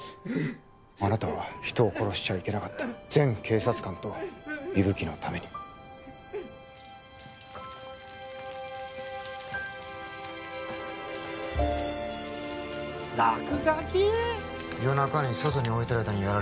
あなたは人を殺しちゃいけなかった全警察官と伊吹のために落書き？